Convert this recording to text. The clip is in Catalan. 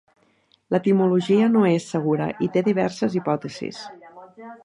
L'etimologia no és segura i té diverses hipòtesis.